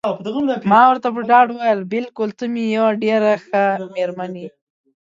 ما ورته په ډاډ وویل: بلکل ته مې یوه ډېره ښه میرمن یې.